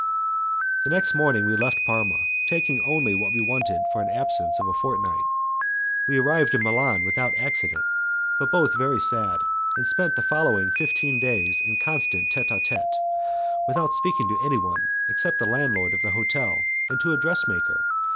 The next morning, we left Parma, taking only what we wanted for an absence of a fortnight. We arrived in Milan without accident, but both very sad, and we spent the following fifteen days in constant tete a tete, without speaking to anyone, except the landlord of the hotel and to a dressmaker.